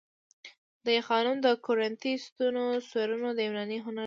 د آی خانم د کورینتی ستونو سرونه د یوناني هنر دي